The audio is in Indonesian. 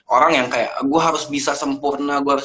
orang yang kayak gua harus bisa sempurna